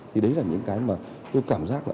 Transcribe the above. thì đấy là những cái mà tôi cảm giác là